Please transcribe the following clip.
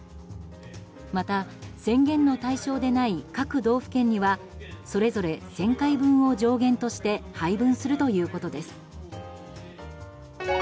また、宣言の対象でない各道府県にはそれぞれ１０００回分を上限として配分するということです。